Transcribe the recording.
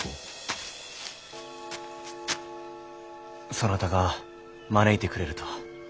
そなたが招いてくれるとは。